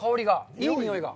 いい匂いが。